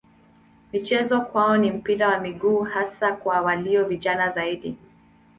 Michezo kwao ni mpira wa miguu hasa kwa walio vijana zaidi.